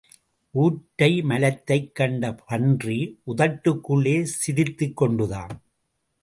ஊற்றை மலத்தைக் கண்ட பன்றி உதட்டுக்குள்ளே சிரித்துக் கொண்டதாம்.